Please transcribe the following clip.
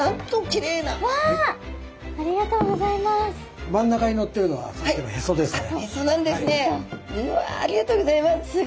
きれいですね。